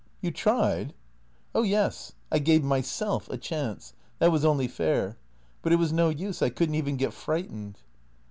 " You tried ?"" Oh, yes, I gave myself a chance. That was only fair. But it was no use. I could n't even get frightened."